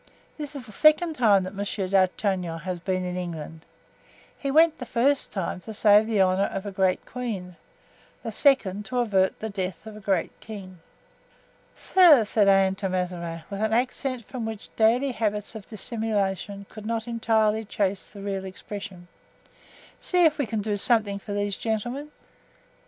This is the second time that Monsieur d'Artagnan has been in England. He went the first time to save the honor of a great queen; the second, to avert the death of a great king." "Sir," said Anne to Mazarin, with an accent from which daily habits of dissimulation could not entirely chase the real expression, "see if we can do something for these gentlemen."